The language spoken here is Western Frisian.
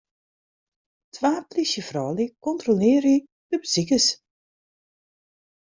Twa plysjefroulju kontrolearje de besikers.